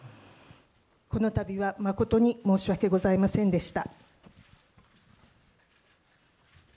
このたびは誠に申し訳ございませんでした。